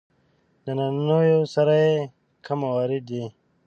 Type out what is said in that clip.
د نننیو سره یې کم موارد دي.